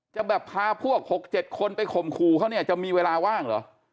จะแบบพาพวก๖๗คนไปข่มขู่เขาเนี่ยจะมีเวลาว่างเหรอ